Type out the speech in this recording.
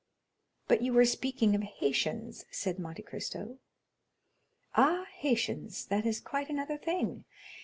"But you were speaking of Haitians?" said Monte Cristo. "Ah, Haitians,—that is quite another thing!